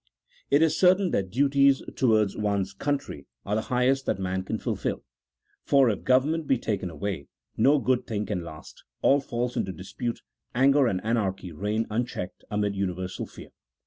It is certain that duties towards one's country are the highest that man can fulfil ; for, if government be taken away, no good thing can last, all falls into dispute, anger and anarchy reign unchecked amid universal fear.